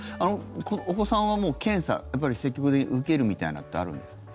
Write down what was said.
お子さんはもう、検査やっぱり積極的に受けるみたいなってあるんですか？